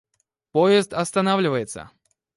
Поезд останавливается.